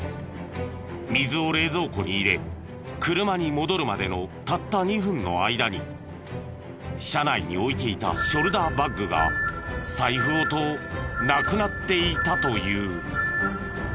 水を冷蔵庫に入れ車に戻るまでのたった２分の間に車内に置いていたショルダーバッグが財布ごとなくなっていたという。